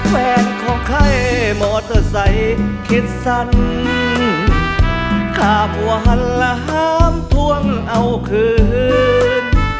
แฟนของใครมอเตอร์ไซค์คิดสั้นฆ่าผัวหันละห้ามท่วงเอาคืน